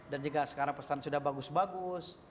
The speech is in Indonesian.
dan juga sekarang pesantren sudah bagus bagus